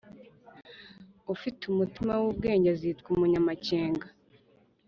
ufite umutima w’ubwenge azitwa umunyamakenga,